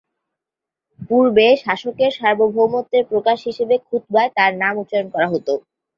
পূর্বে শাসকের সার্বভৌমত্বের প্রকাশ হিসেবে খুতবায় তার নাম উচ্চারণ করা হত।